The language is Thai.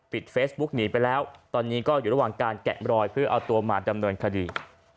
เฟซบุ๊กหนีไปแล้วตอนนี้ก็อยู่ระหว่างการแกะรอยเพื่อเอาตัวมาดำเนินคดี